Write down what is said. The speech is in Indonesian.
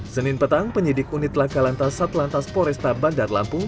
senin petang penyidik unit laka lantas satlantas poresta bandar lampung